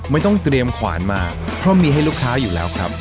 ไม่ต้องเตรียมขวานมาเพราะมีให้ลูกค้าอยู่แล้วครับ